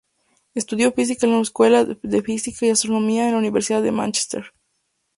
Estudió física en la Escuela de Físicas y Astronomía en la Universidad de Mánchester.